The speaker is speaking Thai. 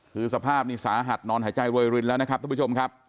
คือสภาพนี้สาหัสนอนหายใจรวยรินแล้วนะครับท่านผู้ชมครับ